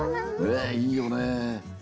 ねえいいよねえ。